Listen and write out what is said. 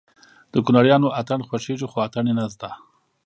د کونړيانو اتڼ خوښېږي خو اتڼ يې نه زده